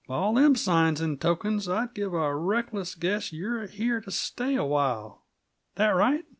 By all them signs and tokens, I give a reckless guess you're here t' stay a while. That right?"